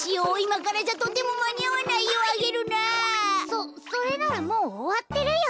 そそれならもうおわってるよ。